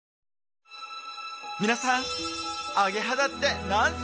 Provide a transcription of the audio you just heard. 皆さん。